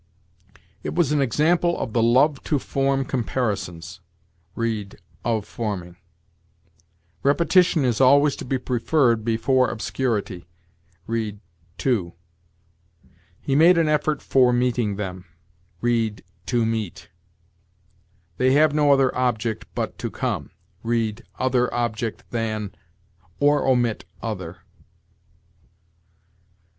"'It was an example of the love to form comparisons': read, 'of forming.' "'Repetition is always to be preferred before obscurity': read, 'to.' "'He made an effort for meeting them': read, 'to meet.' "'They have no other object but to come': read, 'other object than,' or omit 'other.'